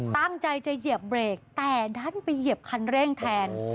ตั้งใจจะเหยียบเบรกแต่ดันไปเหยียบคันเร่งแทน